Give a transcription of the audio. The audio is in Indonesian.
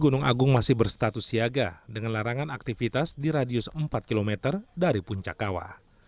gunung agung masih berstatus siaga dengan larangan aktivitas di radius empat km dari puncak kawah